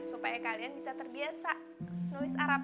supaya kalian bisa terbiasa nulis arab